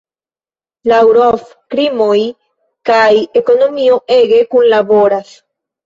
Laŭ Roth krimoj kaj ekonomio ege kunlaboras.